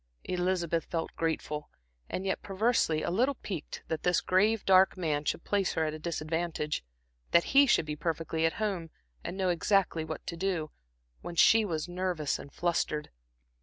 Elizabeth felt grateful, and yet perversely a little piqued that this grave, dark man should place her at a disadvantage, that he should be perfectly at home and know exactly what to do, when she was nervous and flustered.